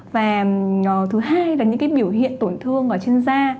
và thứ hai là những cái biểu hiện tổn thương ở trên da